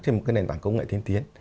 trên một nền tảng công nghệ tiên tiến